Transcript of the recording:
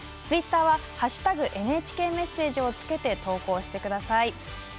ツイッターは「＃ＮＨＫメッセージ」をつけて、投稿してください。